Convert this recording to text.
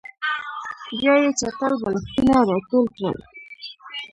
بیا یې چټل بالښتونه راټول کړل